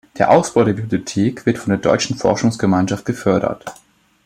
Der Ausbau der Bibliothek wird von der Deutschen Forschungsgemeinschaft gefördert.